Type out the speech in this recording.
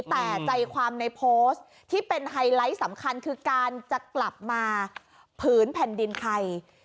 แต่ใจความในโพสต์ที่เป็นไฮไลท์สำคัญคือการจะกลับมาผืนแผ่นดินไทย